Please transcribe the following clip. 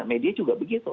media juga begitu